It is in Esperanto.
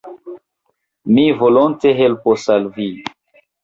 Mi volonte helpos al vi.